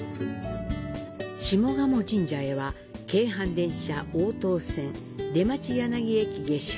下鴨神社へは、京阪電車鴨東線出町柳駅下車。